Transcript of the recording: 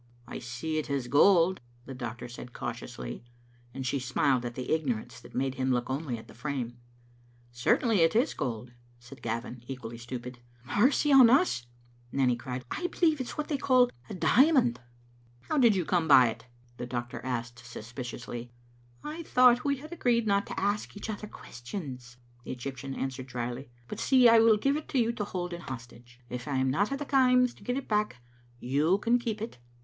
" I see it is gold," the, doctor said cautiously, and she smiled at the ignorance that made him look only at the frame. "Certainly, it is gold," said Gavin, equally stupid. "Mercy on us!" Nanny cried; "I believe it's what they call a diamond." Digitized by VjOOQ IC Vbe £di?ptfan'0 Second (SomUtg. isi "How did you come by it?" the doctor asked sus piciously. " I thought we had agreed not to ask each other ques tions," the Egyptian answered drily. " But, see, I will give it to you to hold in hostage. If I am not at the Kaims to get it back you can keep it.